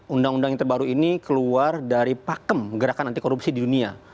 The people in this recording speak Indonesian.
undang undang yang terbaru ini keluar dari pakem gerakan anti korupsi di dunia